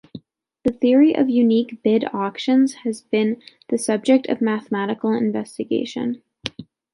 The theory of unique bid auctions has been the subject of mathematical investigation.